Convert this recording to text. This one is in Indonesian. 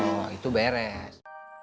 oh itu beres